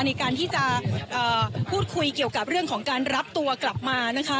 ในการที่จะพูดคุยเกี่ยวกับเรื่องของการรับตัวกลับมานะคะ